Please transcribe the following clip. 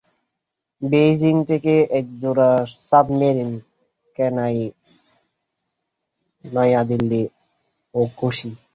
Beijing থেকে একজোড়া submarine কেনায় নয়াদিল্লি অখুশি।